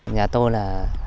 nhà tôi là